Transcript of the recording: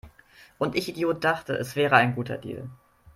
Und ich Idiot dachte, es wäre ein guter Deal